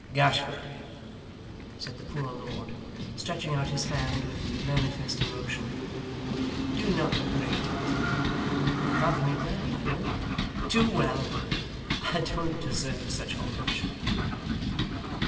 'Gashford,' said the poor lord, stretching out his hand with manifest emotion. 'Do not regret it. You love me well, I know too well. I don't deserve such homage.